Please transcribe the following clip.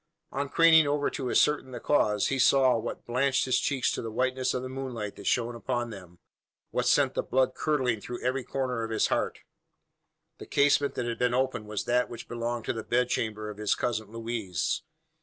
On craning over to ascertain the cause, he saw, what blanched his cheeks to the whiteness of the moonlight that shone upon them what sent the blood curdling through every corner of his heart. The casement that had been opened was that which belonged to the bed chamber of his cousin Louise.